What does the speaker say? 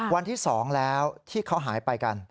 วันที่๒แล้วที่เขาหายไปกัน